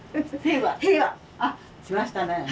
あっきましたねえ。